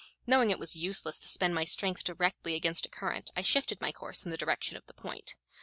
Knowing it was useless to spend my strength directly against a current, I shifted my course in the direction of the point.